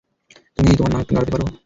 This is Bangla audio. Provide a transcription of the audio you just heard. তুমি তোমার নাক নাড়াতে পারো?